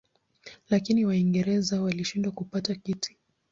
Lakini Waingereza walishindwa kupata kiti.